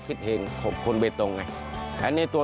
ที่จะนำแท็กซี่อยู่กัน